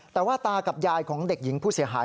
แต่ว่าตากับยายของเด็กหญิงผู้เสียหาย